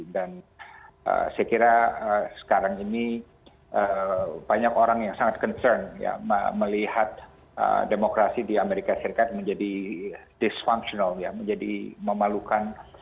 dan saya kira sekarang ini banyak orang yang sangat concern melihat demokrasi di amerika serikat menjadi dysfunctional menjadi memalukan